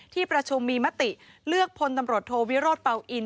ที่ประชุมมีมติเลือกพลตำรวจโทวิโรธเป่าอิน